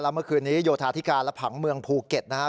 เมื่อคืนนี้โยธาธิการและผังเมืองภูเก็ตนะครับ